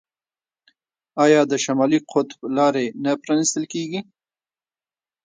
آیا د شمالي قطب لارې نه پرانیستل کیږي؟